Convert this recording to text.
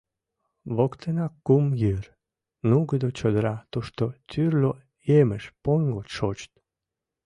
Воктенак, кум йыр, — нугыдо чодыра, тушто тӱрлӧ емыж, поҥго шочыт.